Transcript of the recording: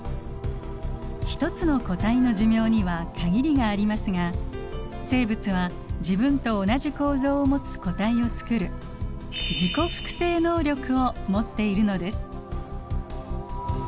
一つの個体の寿命には限りがありますが生物は自分と同じ構造を持つ個体をつくる自己複製能力を持っているのです。